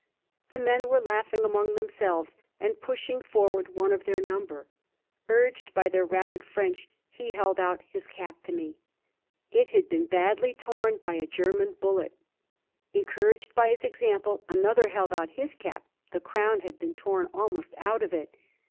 The men were laughing among themselves and pushing forward one of their number. Urged by their rapid French, he held out his cap to me. It had been badly torn by a German bullet. Encouraged by his example, another held out his cap. The crown had been torn almost out of it.